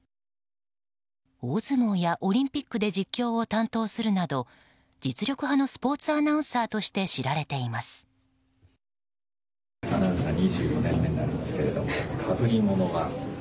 大相撲やオリンピックで実況を担当するなど実力派のスポーツアナウンサーとして知られています。